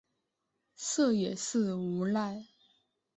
这也是无奈